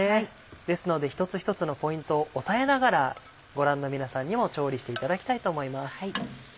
ですので一つ一つのポイントを押さえながらご覧の皆さんにも調理していただきたいと思います。